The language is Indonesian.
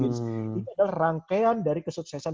ini adalah rangkaian dari kesuksesan